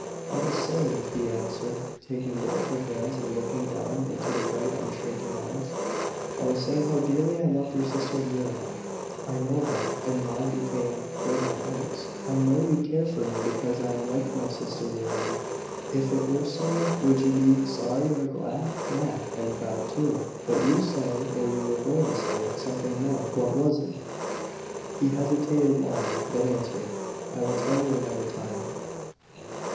"I was saying," he answered, taking both her hands and looking down into her bright, unshrinking eyes, "I was saying, how dearly I loved your sister Muriel." "I know that," and Maud became grave at once. "I know you care for me because I am like my sister Muriel." "If it were so, would you be sorry or glad?" "Glad, and proud too. But you said, or you were going to say, something more. What was it?" He hesitated long, then answered: "I will tell you another time."